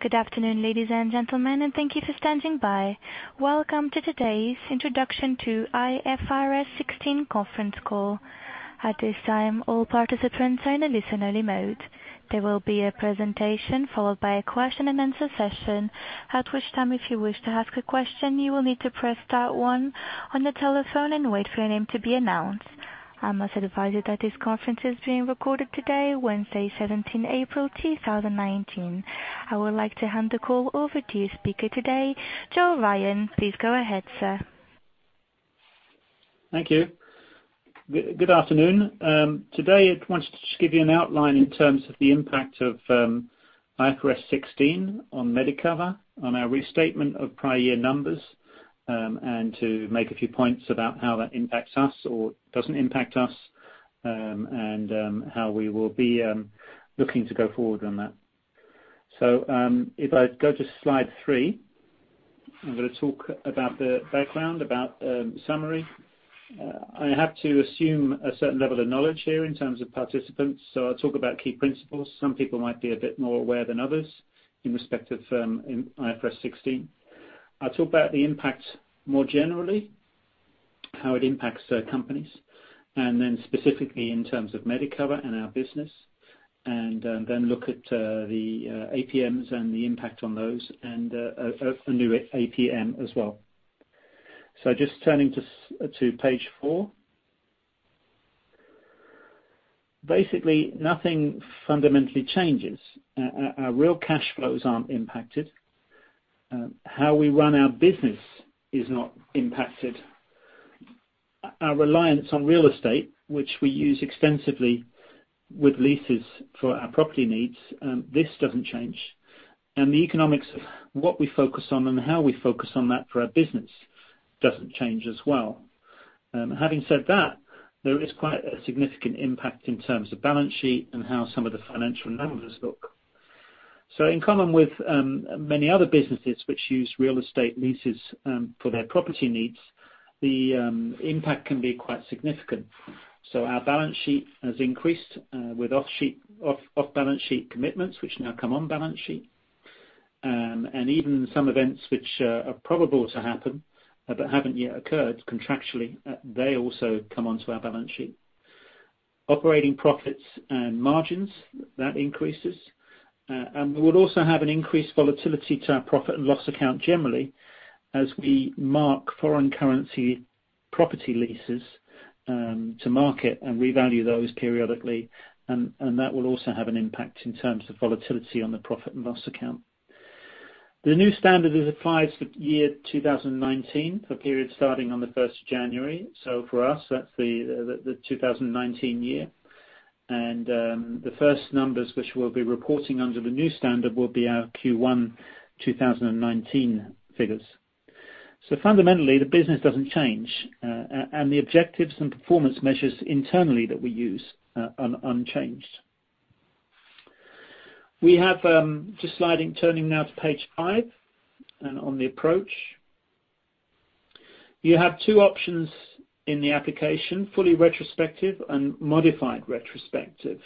Good afternoon, ladies and gentlemen, and thank you for standing by. Welcome to today's introduction to IFRS 16 conference call. At this time, all participants are in a listen-only mode. There will be a presentation followed by a question-and-answer session, at which time, if you wish to ask a question, you will need to press star one on the telephone and wait for your name to be announced. I must advise you that this conference is being recorded today, Wednesday, 17 April 2019. I would like to hand the call over to your speaker today, Joe Ryan. Please go ahead, sir. Thank you. Good afternoon. Today, I wanted to just give you an outline in terms of the impact of IFRS 16 on Medicover, on our restatement of prior year numbers, and to make a few points about how that impacts us or doesn't impact us, and how we will be looking to go forward on that. So if I go to slide three, I'm going to talk about the background, about the summary. I have to assume a certain level of knowledge here in terms of participants, so I'll talk about key principles. Some people might be a bit more aware than others in respect of IFRS 16. I'll talk about the impact more generally, how it impacts companies, and then specifically in terms of Medicover and our business, and then look at the APMs and the impact on those, and a new APM as well. Just turning to page four. Basically, nothing fundamentally changes. Our real cash flows aren't impacted. How we run our business is not impacted. Our reliance on real estate, which we use extensively with leases for our property needs, this doesn't change. And the economics of what we focus on and how we focus on that for our business doesn't change as well. Having said that, there is quite a significant impact in terms of balance sheet and how some of the financial numbers look. In common with many other businesses which use real estate leases for their property needs, the impact can be quite significant. Our balance sheet has increased with off-balance sheet commitments, which now come on balance sheet. And even some events which are probable to happen but haven't yet occurred contractually, they also come onto our balance sheet. Operating profits and margins, that increases. And we will also have an increased volatility to our profit and loss account generally as we mark foreign currency property leases to market and revalue those periodically. And that will also have an impact in terms of volatility on the profit and loss account. The new standard is applied for year 2019 for periods starting on the 1st of January. So for us, that's the 2019 year. And the first numbers which we'll be reporting under the new standard will be our Q1 2019 figures. So fundamentally, the business doesn't change, and the objectives and performance measures internally that we use are unchanged. We have just sliding, turning now to page 5 and on the approach. You have two options in the application: fully retrospective and modified retrospective.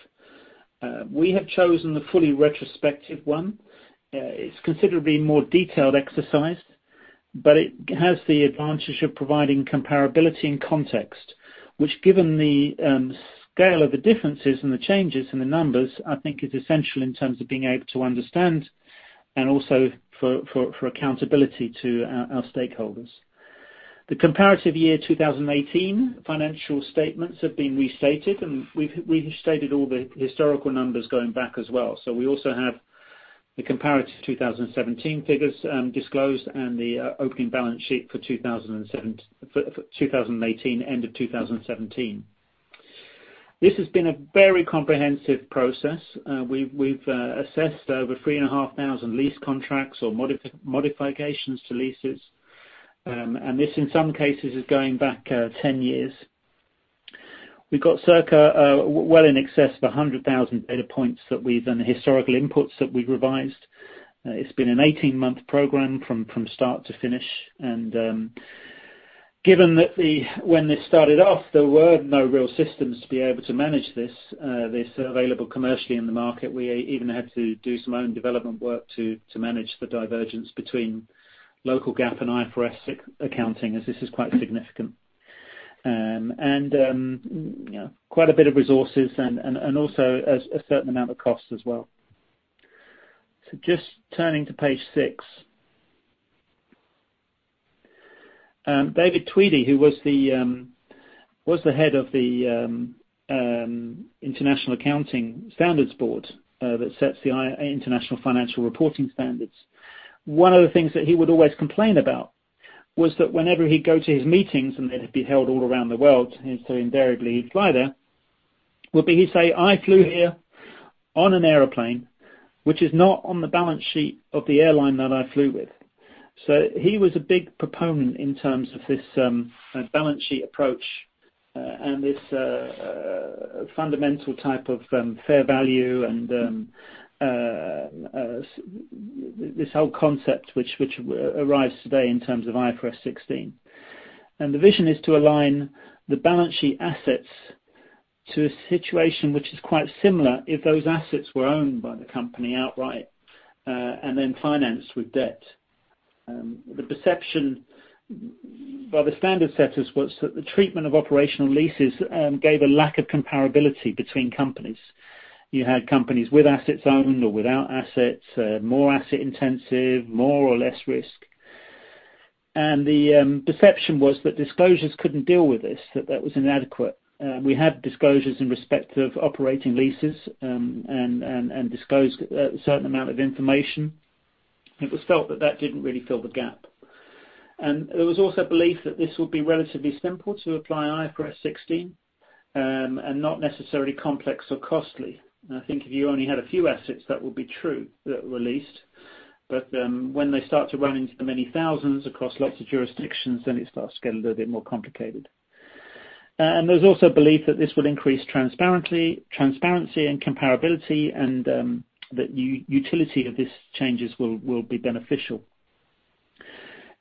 We have chosen the fully retrospective one. It's considerably more detailed exercise, but it has the advantage of providing comparability and context, which, given the scale of the differences and the changes in the numbers, I think is essential in terms of being able to understand and also for accountability to our stakeholders. The comparative year 2018 financial statements have been restated, and we've restated all the historical numbers going back as well, so we also have the comparative 2017 figures disclosed and the opening balance sheet for 2018, end of 2017. This has been a very comprehensive process. We've assessed over 3,500 lease contracts or modifications to leases, and this in some cases is going back 10 years. We've got circa well in excess of 100,000 data points and historical inputs that we've revised. It's been an 18-month program from start to finish. And given that when this started off, there were no real systems to be able to manage this. They're still available commercially in the market. We even had to do some own development work to manage the divergence between local GAAP and IFRS accounting, as this is quite significant. And quite a bit of resources and also a certain amount of cost as well. So just turning to page 6. David Tweedie, who was the Head of the International Accounting Standards Board that sets the International Financial Reporting Standards, one of the things that he would always complain about was that whenever he'd go to his meetings, and they'd be held all around the world, and so invariably he'd fly there. He'd say, "I flew here on an airplane, which is not on the balance sheet of the airline that I flew with." So he was a big proponent in terms of this balance sheet approach and this fundamental type of fair value and this whole concept which arrives today in terms of IFRS 16. The vision is to align the balance sheet assets to a situation which is quite similar if those assets were owned by the company outright and then financed with debt. The perception by the standard setters was that the treatment of operating leases gave a lack of comparability between companies. You had companies with assets owned or without assets, more asset intensive, more or less risk, and the perception was that disclosures couldn't deal with this, that that was inadequate. We had disclosures in respect of operating leases and disclosed a certain amount of information. It was felt that that didn't really fill the gap, and there was also a belief that this would be relatively simple to apply IFRS 16 and not necessarily complex or costly. I think if you only had a few assets, that would be true that were leased. But when they start to run into the many thousands across lots of jurisdictions, then it starts to get a little bit more complicated. There's also a belief that this would increase transparency and comparability and that the utility of these changes will be beneficial.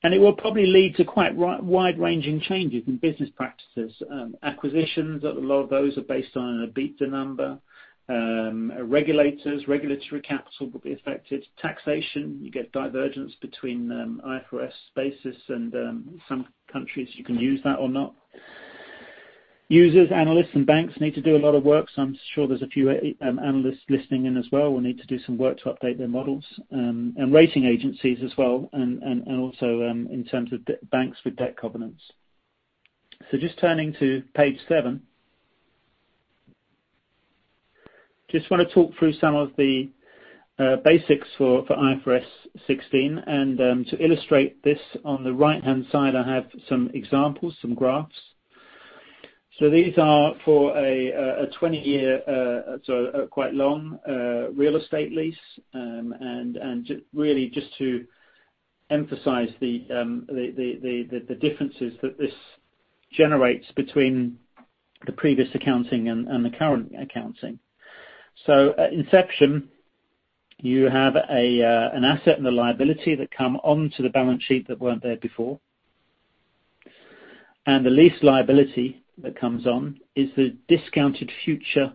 It will probably lead to quite wide-ranging changes in business practices. Acquisitions, a lot of those are based on an EBITDA number. Regulators, regulatory capital will be affected. Taxation, you get divergence between IFRS basis and some countries you can use that or not. Users, analysts, and banks need to do a lot of work, so I'm sure there's a few analysts listening in as well who will need to do some work to update their models. Rating agencies as well, and also in terms of banks with debt covenants. Just turning to page 7. Just want to talk through some of the basics for IFRS 16. To illustrate this, on the right-hand side, I have some examples, some graphs. These are for a 20-year, so quite long real estate lease, and really just to emphasize the differences that this generates between the previous accounting and the current accounting. Inception, you have an asset and a liability that come onto the balance sheet that weren't there before. The lease liability that comes on is the discounted future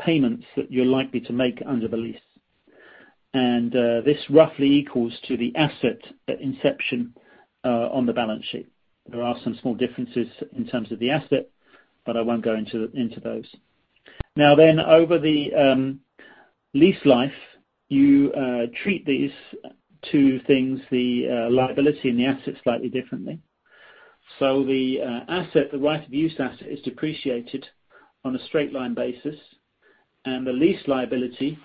payments that you're likely to make under the lease. This roughly equals to the asset at inception on the balance sheet. There are some small differences in terms of the asset, but I won't go into those. Now then, over the lease life, you treat these two things, the liability and the asset, slightly differently. The asset, the right-of-use asset, is depreciated on a straight-line basis. The lease liability,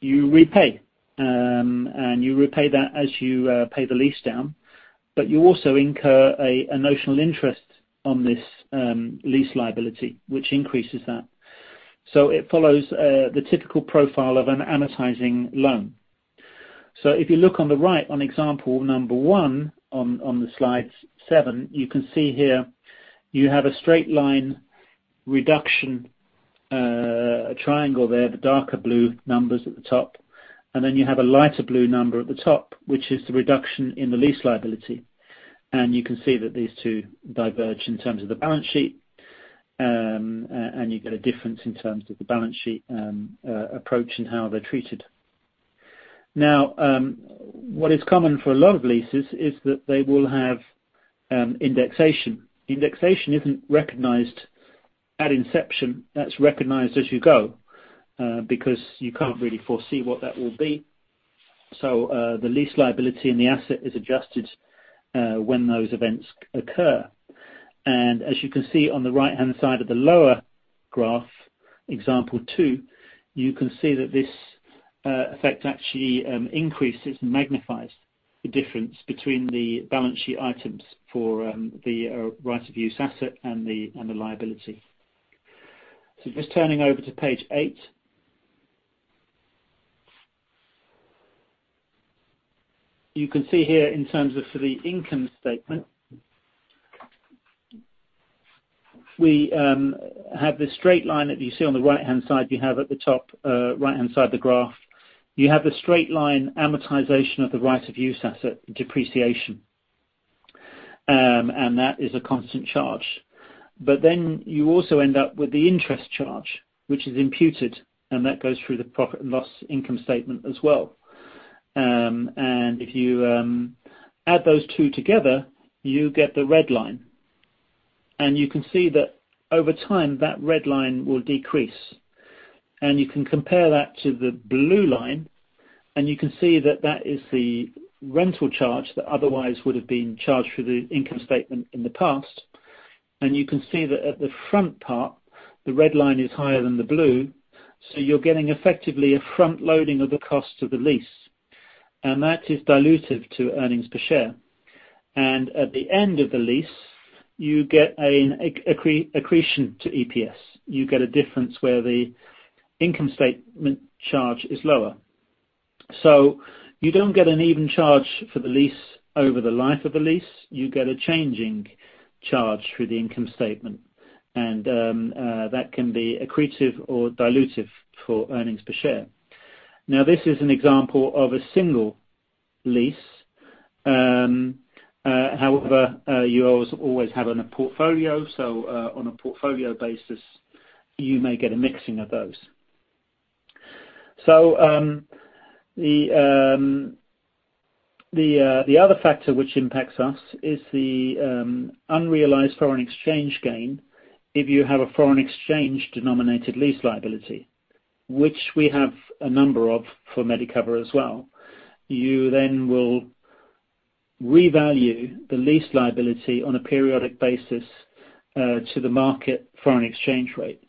you repay. You repay that as you pay the lease down. But you also incur a notional interest on this lease liability, which increases that. So it follows the typical profile of an amortizing loan. So if you look on the right, on example number one on the slide 7, you can see here you have a straight-line reduction triangle there, the darker blue numbers at the top. And then you have a lighter blue number at the top, which is the reduction in the lease liability. And you can see that these two diverge in terms of the balance sheet. And you get a difference in terms of the balance sheet approach and how they're treated. Now, what is common for a lot of leases is that they will have indexation. Indexation isn't recognized at inception. That's recognized as you go because you can't really foresee what that will be. So the lease liability and the asset is adjusted when those events occur. And as you can see on the right-hand side of the lower graph, example two, you can see that this effect actually increases and magnifies the difference between the balance sheet items for the right-of-use asset and the liability. So just turning over to page 8. You can see here in terms of the income statement, we have this straight line that you see on the right-hand side. You have at the top right-hand side of the graph, you have the straight-line amortization of the right of use asset depreciation. And that is a constant charge. But then you also end up with the interest charge, which is imputed. And that goes through the profit and loss income statement as well. And if you add those two together, you get the red line. And you can see that over time, that red line will decrease. And you can compare that to the blue line. And you can see that that is the rental charge that otherwise would have been charged through the income statement in the past. And you can see that at the front part, the red line is higher than the blue. So you're getting effectively a front-loading of the cost of the lease. And that is dilutive to earnings per share. And at the end of the lease, you get an accretion to EPS. You get a difference where the income statement charge is lower. So you don't get an even charge for the lease over the life of the lease. You get a changing charge through the income statement. And that can be accretive or dilutive for earnings per share. Now, this is an example of a single lease. However, you always have a portfolio. So on a portfolio basis, you may get a mixing of those. So the other factor which impacts us is the unrealized foreign exchange gain. If you have a foreign exchange-denominated lease liability, which we have a number of for Medicover as well, you then will revalue the lease liability on a periodic basis to the market foreign exchange rate,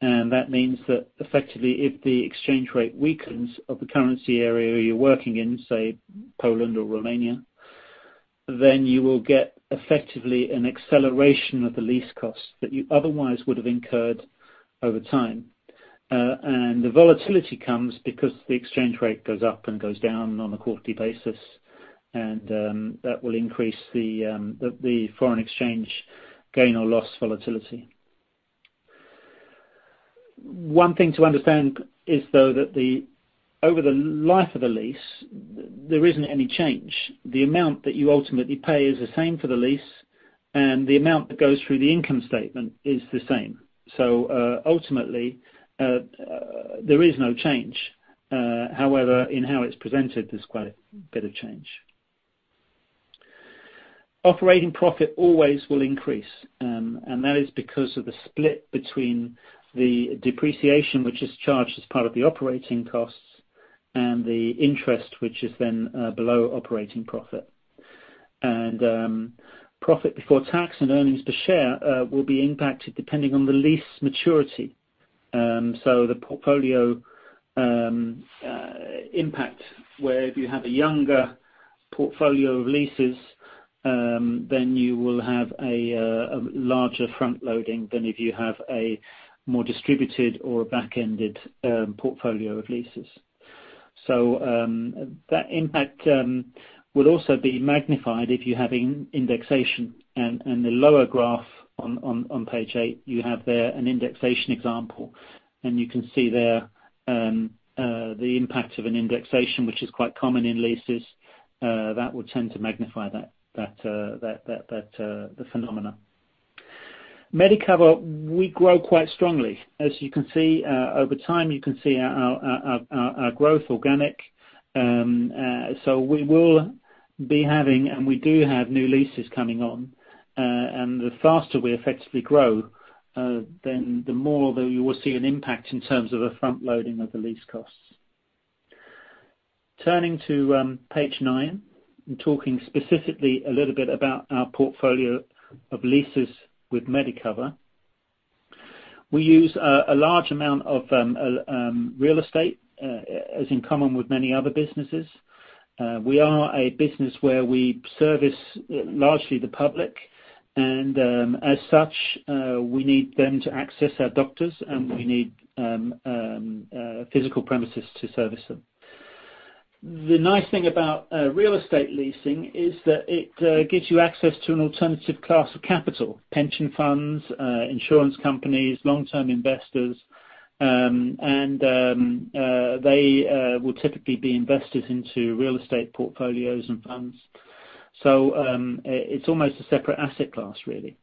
and that means that effectively, if the exchange rate weakens of the currency area you're working in, say Poland or Romania, then you will get effectively an acceleration of the lease cost that you otherwise would have incurred over time, and the volatility comes because the exchange rate goes up and goes down on a quarterly basis, and that will increase the foreign exchange gain or loss volatility. One thing to understand is, though, that over the life of the lease, there isn't any change. The amount that you ultimately pay is the same for the lease, and the amount that goes through the income statement is the same, so ultimately, there is no change. However, in how it's presented, there's quite a bit of change. Operating profit always will increase, and that is because of the split between the depreciation, which is charged as part of the operating costs, and the interest, which is then below operating profit, and profit before tax and earnings per share will be impacted depending on the lease maturity, so the portfolio impact, where if you have a younger portfolio of leases, then you will have a larger front-loading than if you have a more distributed or a back-ended portfolio of leases. So that impact would also be magnified if you have indexation. And the lower graph on page 8, you have there an indexation example. And you can see there the impact of an indexation, which is quite common in leases. That will tend to magnify the phenomena. Medicover, we grow quite strongly. As you can see, over time, you can see our growth organic. So we will be having, and we do have new leases coming on. And the faster we effectively grow, then the more that you will see an impact in terms of a front-loading of the lease costs. Turning to page 9 and talking specifically a little bit about our portfolio of leases with Medicover, we use a large amount of real estate, as in common with many other businesses. We are a business where we service largely the public. And as such, we need them to access our doctors, and we need physical premises to service them. The nice thing about real estate leasing is that it gives you access to an alternative class of capital: pension funds, insurance companies, long-term investors. And they will typically be invested into real estate portfolios and funds. So it's almost a separate asset class, really.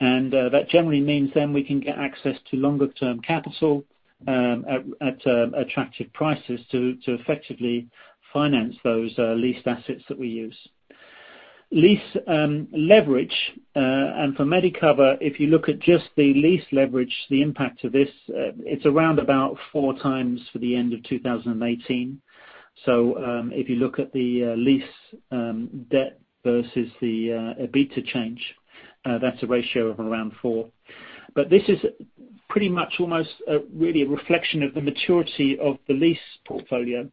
And that generally means then we can get access to longer-term capital at attractive prices to effectively finance those leased assets that we use. Lease leverage, and for Medicover, if you look at just the lease leverage, the impact of this, it's around about 4x for the end of 2018. So if you look at the lease debt versus the EBITDA change, that's a ratio of around 4x. But this is pretty much almost really a reflection of the maturity of the lease portfolio,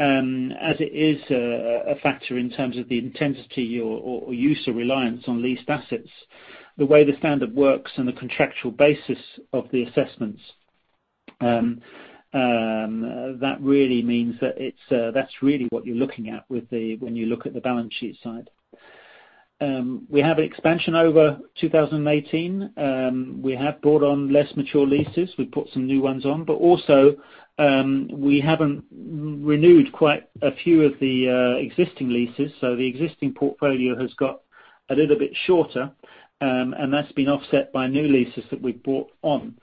as it is a factor in terms of the intensity or use or reliance on leased assets, the way the standard works, and the contractual basis of the assessments. That really means that that's really what you're looking at when you look at the balance sheet side. We have an expansion over 2018. We have brought on less mature leases. We've put some new ones on. But also, we haven't renewed quite a few of the existing leases. So the existing portfolio has got a little bit shorter. And that's been offset by new leases that we've brought on.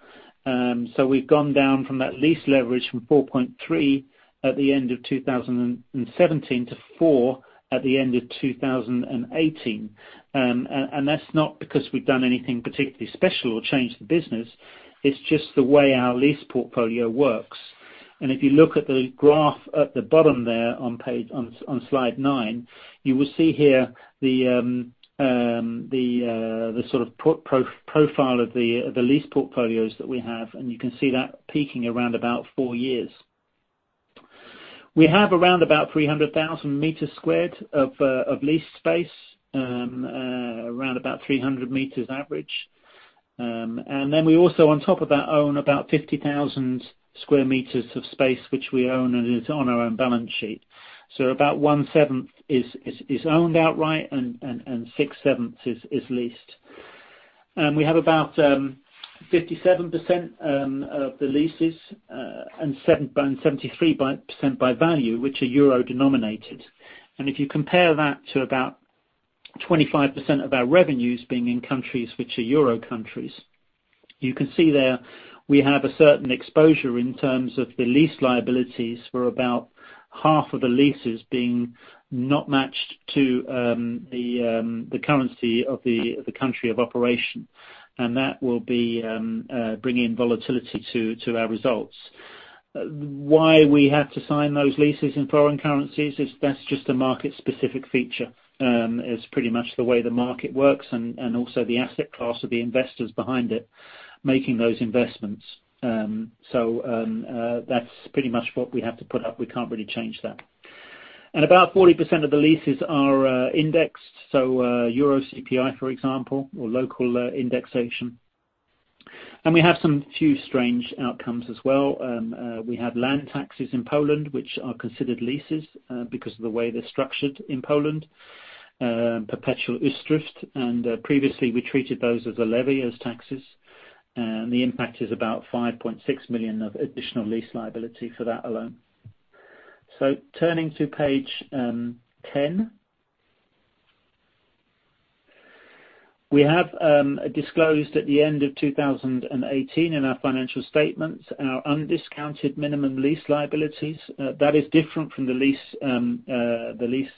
So we've gone down from that lease leverage from 4.3x at the end of 2017 to 4x at the end of 2018. And that's not because we've done anything particularly special or changed the business. It's just the way our lease portfolio works. And if you look at the graph at the bottom there on slide 9, you will see here the sort of profile of the lease portfolios that we have. And you can see that peaking around about four years. We have around about 300,000 square meters of lease space, around about 300 meters average. And then we also, on top of that, own about 50,000 square meters of space, which we own and is on our own balance sheet. So about one-seventh is owned outright, and six-sevenths is leased. And we have about 57% of the leases and 73% by value, which are Euro-denominated. And if you compare that to about 25% of our revenues being in countries which are euro countries, you can see there we have a certain exposure in terms of the lease liabilities. We're about half of the leases being not matched to the currency of the country of operation. And that will bring in volatility to our results. Why we have to sign those leases in foreign currencies is that's just a market-specific feature. It's pretty much the way the market works and also the asset class of the investors behind it making those investments. So that's pretty much what we have to put up. We can't really change that. And about 40% of the leases are indexed. So Euro CPI, for example, or local indexation. And we have some few strange outcomes as well. We have land taxes in Poland, which are considered leases because of the way they're structured in Poland, perpetual usufruct. And previously, we treated those as a levy as taxes. And the impact is about 5.6 million of additional lease liability for that alone. Turning to page 10, we have disclosed at the end of 2018 in our financial statements our undiscounted minimum lease liabilities. That is different from the lease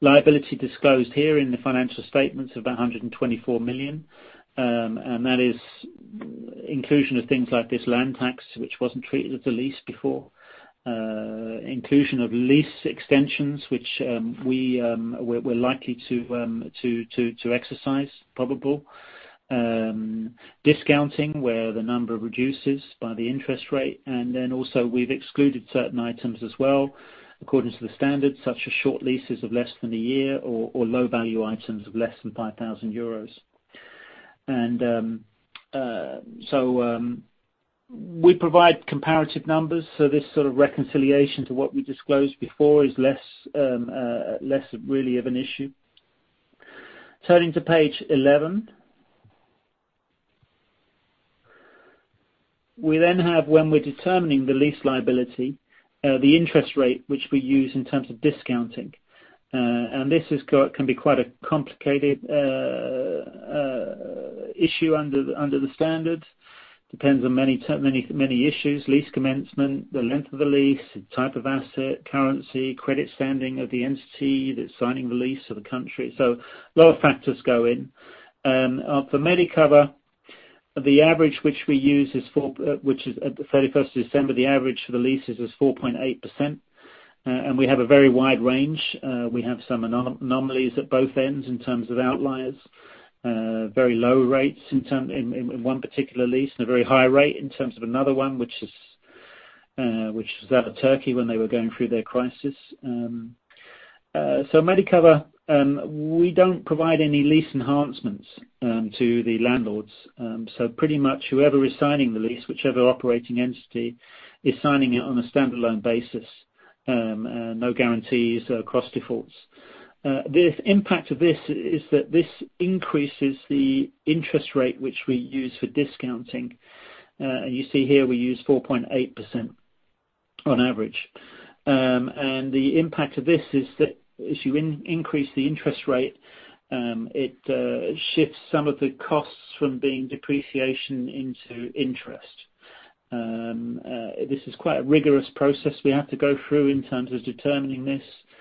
liability disclosed here in the financial statements of about 124 million. And that is inclusion of things like this land tax, which wasn't treated as a lease before, inclusion of lease extensions, which we're likely to exercise, probable, discounting where the number reduces by the interest rate. And then also, we've excluded certain items as well according to the standards, such as short leases of less than a year or low-value items of less than 5,000 euros. And so we provide comparative numbers. This sort of reconciliation to what we disclosed before is less really of an issue. Turning to page 11, we then have, when we're determining the lease liability, the interest rate which we use in terms of discounting. This can be quite a complicated issue under the standards. Depends on many issues: lease commencement, the length of the lease, type of asset, currency, credit standing of the entity that's signing the lease, or the country. A lot of factors go in. For Medicover, the average which we use is, which is at the 31st of December, the average for the leases is 4.8%. We have a very wide range. We have some anomalies at both ends in terms of outliers, very low rates in one particular lease, and a very high rate in terms of another one, which was that of Turkey when they were going through their crisis. Medicover, we don't provide any lease enhancements to the landlords. Pretty much whoever is signing the lease, whichever operating entity, is signing it on a standalone basis. No guarantees or cross defaults. The impact of this is that this increases the interest rate which we use for discounting. And you see here, we use 4.8% on average. And the impact of this is that as you increase the interest rate, it shifts some of the costs from being depreciation into interest. This is quite a rigorous process we have to go through in terms of determining this with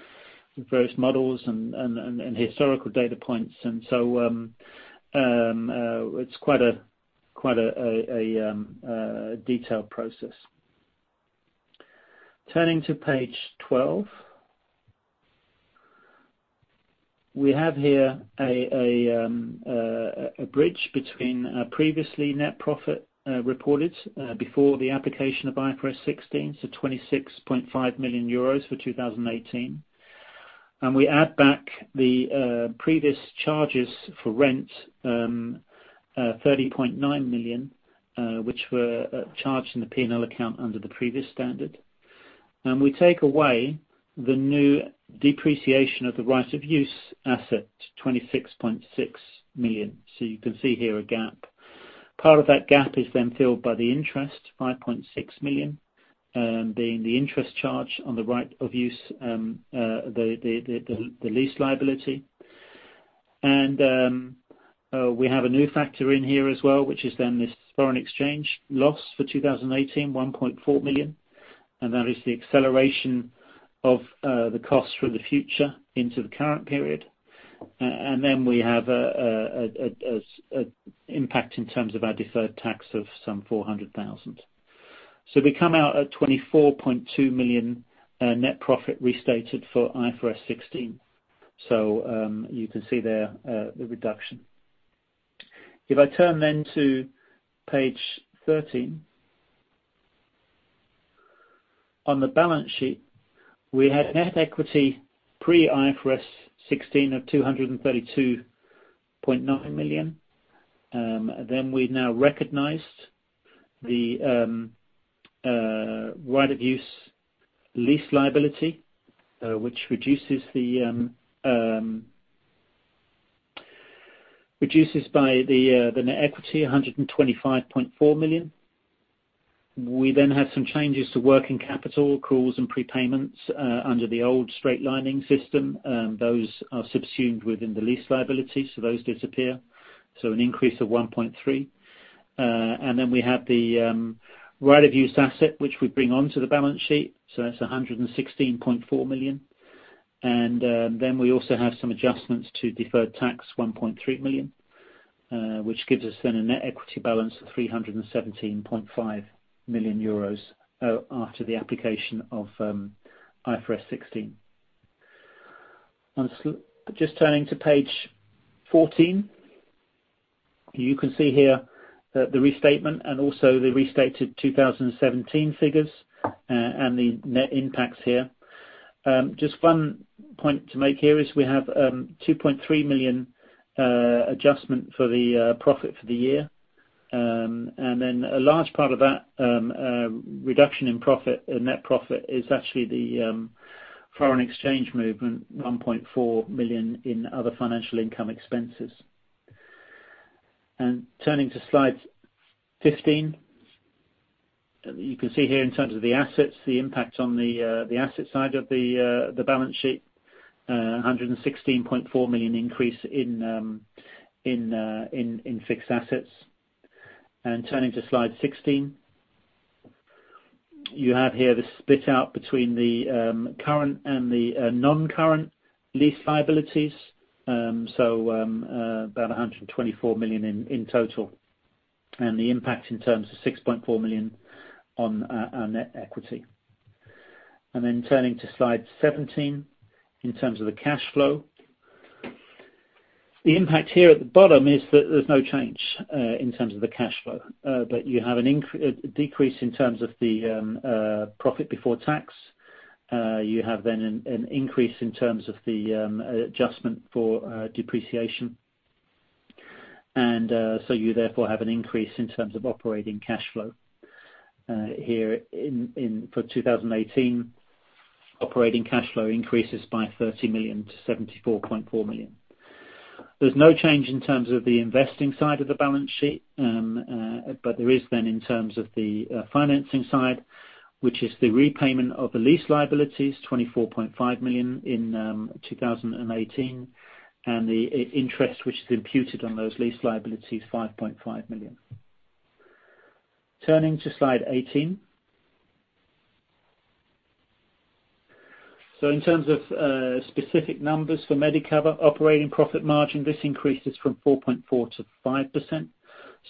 various models and historical data points. And so it's quite a detailed process. Turning to page 12, we have here a bridge between previously net profit reported before the application of IFRS 16, so 26.5 million euros for 2018. And we add back the previous charges for rent, 30.9 million, which were charged in the P&L account under the previous standard. And we take away the new depreciation of the right-of-use asset, 26.6 million. So you can see here a gap. Part of that gap is then filled by the interest, 5.6 million, being the interest charge on the right-of-use lease liability. We have a new factor in here as well, which is then this foreign exchange loss for 2018, 1.4 million. That is the acceleration of the costs from the future into the current period. Then we have an impact in terms of our deferred tax of some 400,000. We come out at 24.2 million net profit restated for IFRS 16. You can see there the reduction. If I turn then to page 13, on the balance sheet, we had net equity pre-IFRS 16 of 232.9 million. Then we now recognized the right-of-use lease liability, which reduces by the net equity 125.4 million. We then have some changes to working capital, accruals, and prepayments under the old straightlining system. Those are subsumed within the lease liability, so those disappear. So an increase of 1.3%. And then we have the right-of-use asset, which we bring onto the balance sheet. So that's 116.4 million. And then we also have some adjustments to deferred tax, 1.3 million, which gives us then a net equity balance of 317.5 million euros after the application of IFRS 16. Just turning to page 14, you can see here the restatement and also the restated 2017 figures and the net impacts here. Just one point to make here is we have 2.3 million adjustment for the profit for the year. And then a large part of that reduction in net profit is actually the foreign exchange movement, 1.4 million in other financial income expenses. And turning to slide 15, you can see here in terms of the assets, the impact on the asset side of the balance sheet, 116.4 million increase in fixed assets. And turning to slide 16, you have here the split out between the current and the non-current lease liabilities, so about 124 million in total. And the impact in terms of 6.4 million on our net equity. And then turning to slide 17, in terms of the cash flow, the impact here at the bottom is that there's no change in terms of the cash flow. But you have a decrease in terms of the profit before tax. You have then an increase in terms of the adjustment for depreciation. And so you therefore have an increase in terms of operating cash flow here for 2018. Operating cash flow increases by 30 million to 74.4 million. There's no change in terms of the investing side of the balance sheet. But there is then in terms of the financing side, which is the repayment of the lease liabilities, 24.5 million in 2018, and the interest which is imputed on those lease liabilities, 5.5 million. Turning to slide 18, so in terms of specific numbers for Medicover operating profit margin, this increases from 4.4% to 5%.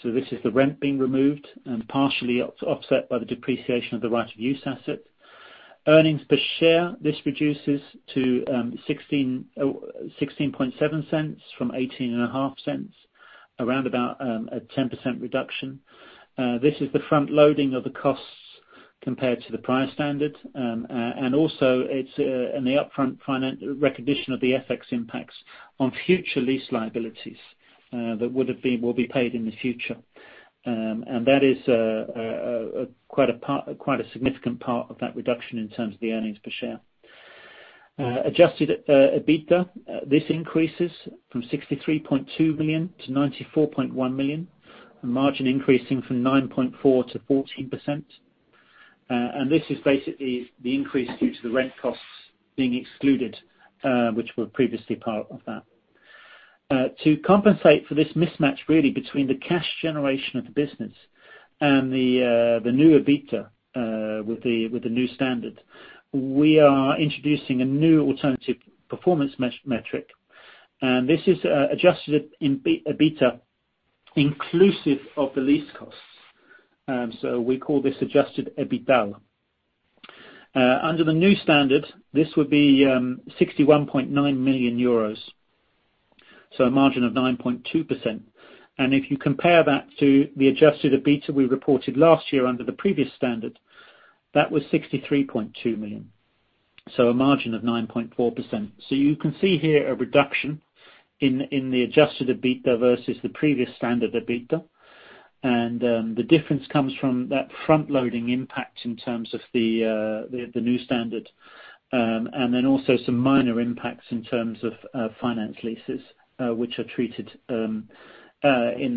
So this is the rent being removed and partially offset by the depreciation of the right-of-use asset. Earnings per share, this reduces to 0.167 from 0.185, around about a 10% reduction. This is the front-loading of the costs compared to the prior standard. And also, it's in the upfront recognition of the FX impacts on future lease liabilities that will be paid in the future. And that is quite a significant part of that reduction in terms of the earnings per share. Adjusted EBITDA, this increases from 63.2 million to 94.1 million, margin increasing from 9.4% to 14%. And this is basically the increase due to the rent costs being excluded, which were previously part of that. To compensate for this mismatch really between the cash generation of the business and the new EBITDA with the new standard, we are introducing a new alternative performance metric. And this is adjusted EBITDA inclusive of the lease costs. So we call this adjusted EBITDA. Under the new standard, this would be 61.9 million euros, so a margin of 9.2%. And if you compare that to the adjusted EBITDA we reported last year under the previous standard, that was 63.2 million. So a margin of 9.4%. You can see here a reduction in the adjusted EBITDA versus the previous standard EBITDA. And the difference comes from that front-loading impact in terms of the new standard. And then also some minor impacts in terms of finance leases, which are treated in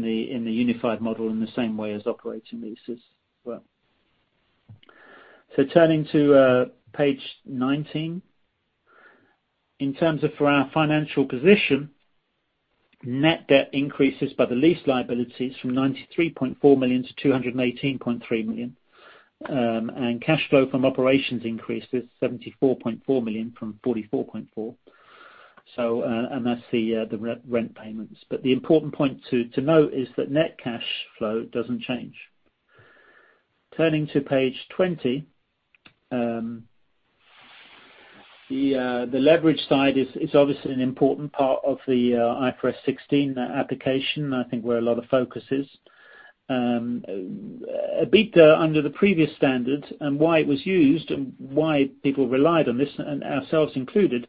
the unified model in the same way as operating leases as well. Turning to page 19, in terms of for our financial position, net debt increases by the lease liabilities from 93.4 million to 218.3 million. And cash flow from operations increased to 74.4 million from 44.4 million. And that's the rent payments. But the important point to note is that net cash flow doesn't change. Turning to page 20, the leverage side is obviously an important part of the IFRS 16 application, and I think where a lot of focus is. EBITDA under the previous standard and why it was used and why people relied on this, and ourselves included,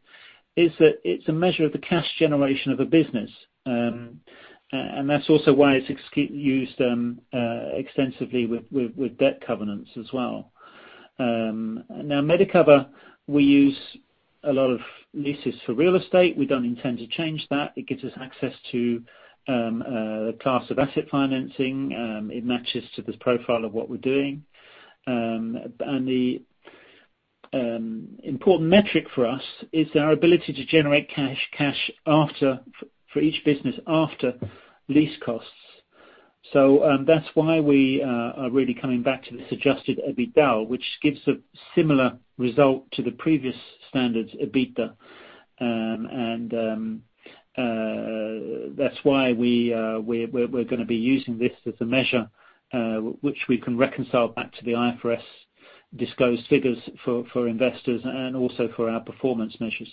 is that it's a measure of the cash generation of a business, and that's also why it's used extensively with debt covenants as well. Now, Medicover, we use a lot of leases for real estate. We don't intend to change that. It gives us access to the class of asset financing. It matches to the profile of what we're doing, and the important metric for us is our ability to generate cash for each business after lease costs, so that's why we are really coming back to this adjusted EBITDA, which gives a similar result to the previous standard EBITDA, and that's why we're going to be using this as a measure, which we can reconcile back to the IFRS disclosed figures for investors and also for our performance measures.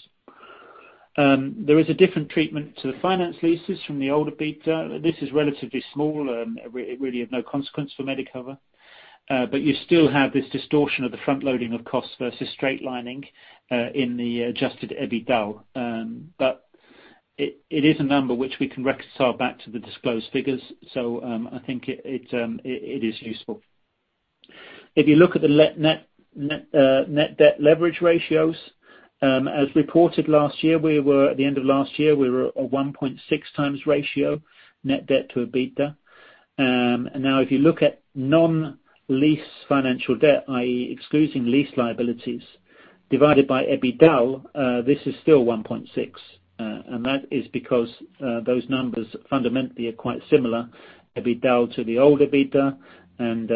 There is a different treatment to the finance leases from the old EBITDA. This is relatively small and really of no consequence for Medicover, but you still have this distortion of the front-loading of costs versus straightlining in the adjusted EBITDA, but it is a number which we can reconcile back to the disclosed figures, so I think it is useful. If you look at the net debt leverage ratios, as reported last year, we were at the end of last year, we were a 1.6x ratio net debt to EBITDA, and now, if you look at non-lease financial debt, i.e., excluding lease liabilities, divided by EBITDA, this is still 1.6x. And that is because those numbers fundamentally are quite similar, EBITDA to the old EBITDA, and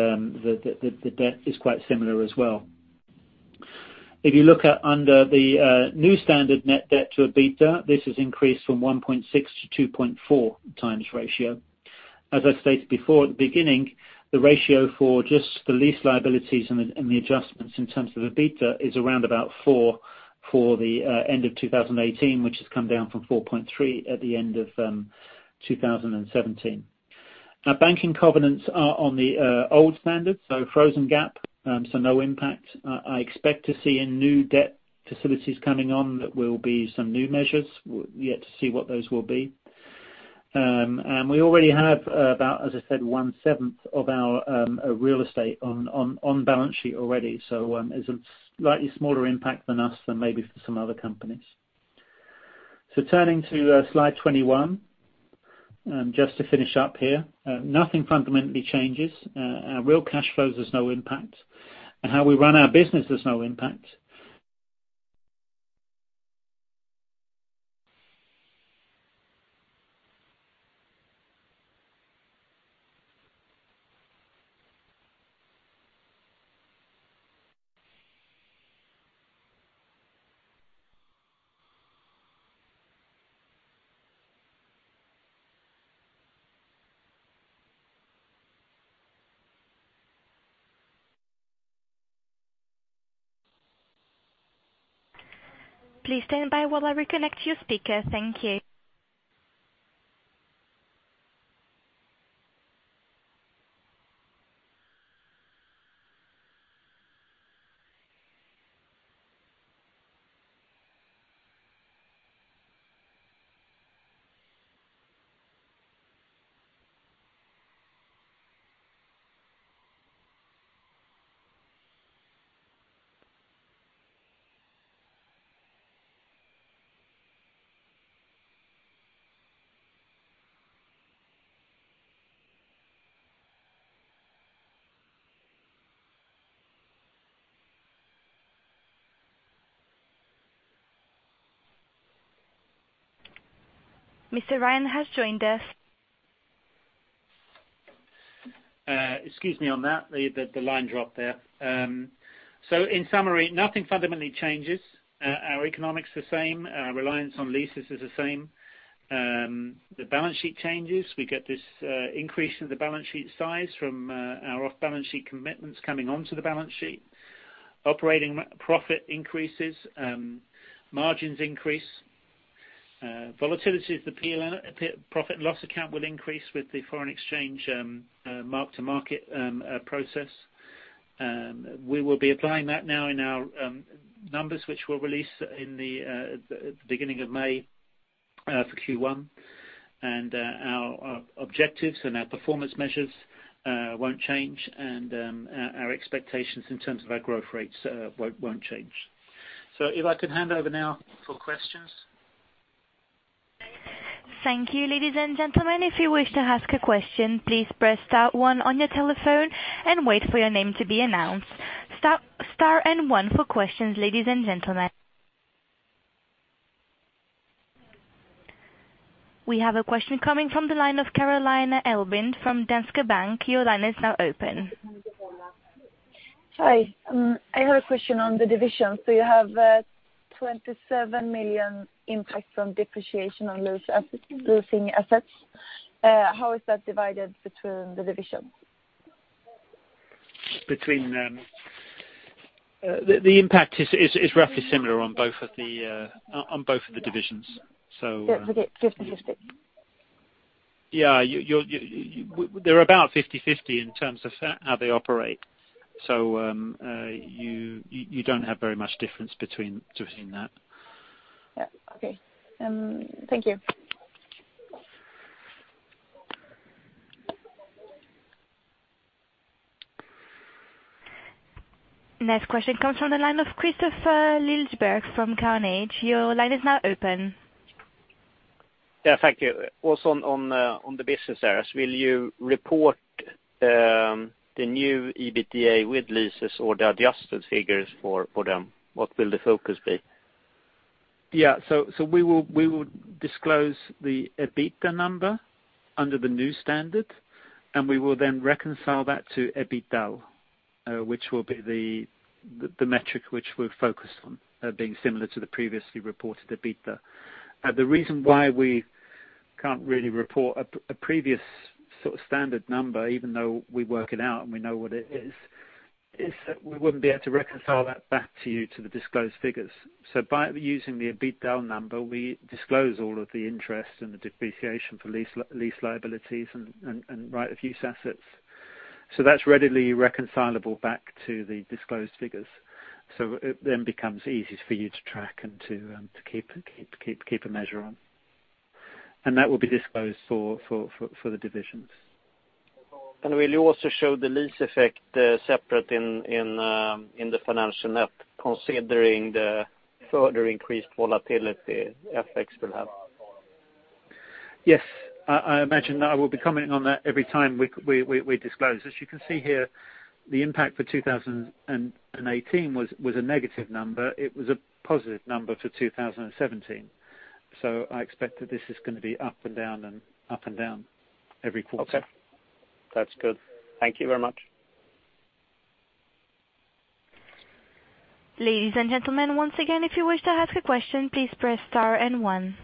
the debt is quite similar as well. If you look under the new standard net debt to EBITDA, this has increased from 1.6x to 2.4x ratio. As I stated before at the beginning, the ratio for just the lease liabilities and the adjustments in terms of EBITDA is around about 4x for the end of 2018, which has come down from 4.3x at the end of 2017. Now, banking covenants are on the old standard, so frozen GAAP, so no impact. I expect to see in new debt facilities coming on that will be some new measures. We'll yet to see what those will be, and we already have about, as I said, one-seventh of our real estate on balance sheet already. Turning to slide 21, just to finish up here. Nothing fundamentally changes. Our real cash flows has no impact. How we run our business has no impact. Please stand by while I reconnect your speaker. Thank you. Mr. Ryan has joined us. Excuse me on that. The line dropped there. So in summary, nothing fundamentally changes. Our economics are the same. Our reliance on leases is the same. The balance sheet changes. We get this increase in the balance sheet size from our off-balance sheet commitments coming onto the balance sheet. Operating profit increases. Margins increase. Volatility is the profit and loss account will increase with the foreign exchange mark-to-market process. We will be applying that now in our numbers, which we'll release at the beginning of May for Q1. And our objectives and our performance measures won't change. And our expectations in terms of our growth rates won't change. So if I could hand over now for questions. Thank you. Ladies and gentlemen, if you wish to ask a question, please press star one on your telephone and wait for your name to be announced. Star and one for questions, ladies and gentlemen. We have a question coming from the line of Caroline Ebbend from Danske Bank. Your line is now open. Hi. I have a question on the division. So you have 27 million impact from depreciation on lease assets. How is that divided between the divisions? The impact is roughly similar on both of the divisions. Yeah, 50/50. Yeah. They're about 50/50 in terms of how they operate. So you don't have very much difference between that. Yeah. Okay. Thank you. Next question comes from the line of Kristofer Liljeberg from Carnegie. Your line is now open. Yeah. Thank you. Also on the business areas, will you report the new EBITDA with leases or the adjusted figures for them? What will the focus be? Yeah. So we will disclose the EBITDA number under the new standard and we will then reconcile that to EBITDA, which will be the metric which we're focused on, being similar to the previously reported EBITDA. The reason why we can't really report a previous sort of standard number, even though we work it out and we know what it is, is that we wouldn't be able to reconcile that back to the disclosed figures. By using the EBITDA number, we disclose all of the interest and the depreciation for lease liabilities and right-of-use assets, so that's readily reconcilable back to the disclosed figures. It then becomes easier for you to track and to keep a measure on, and that will be disclosed for the divisions. Will you also show the lease effect separate in the financial net, considering the further increased volatility FX will have? Yes. I imagine that I will be commenting on that every time we disclose. As you can see here, the impact for 2018 was a negative number. It was a positive number for 2017. So I expect that this is going to be up and down and up and down every quarter. Okay. That's good. Thank you very much. Ladies and gentlemen, once again, if you wish to ask a question, please press star and one.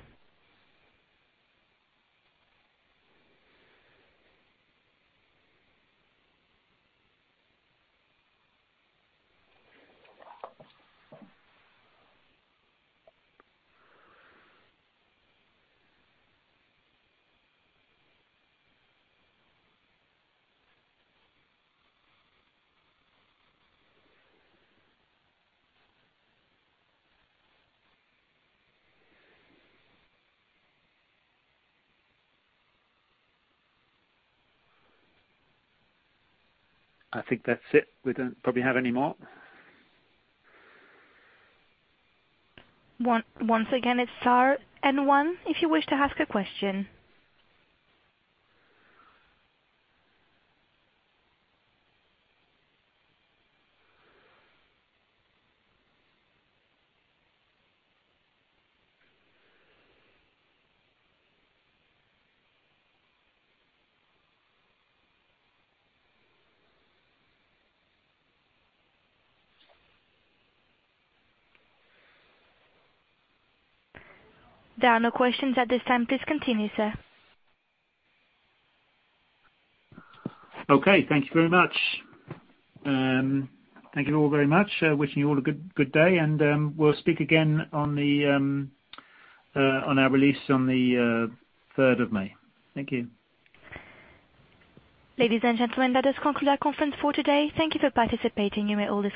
I think that's it. We don't probably have any more. Once again, it's star and one if you wish to ask a question. There are no questions at this time. Please continue, sir. Okay. Thank you very much. Thank you all very much. Wishing you all a good day. And we'll speak again on our release on the 3rd of May. Thank you. Ladies and gentlemen, that does conclude our conference for today. Thank you for participating. You may also